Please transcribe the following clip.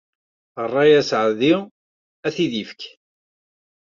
Ṛṛay asaɛdi ad t-id-ifk.